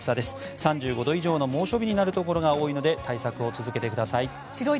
３５度以上の猛暑日になるところが多いので対策を続けてください。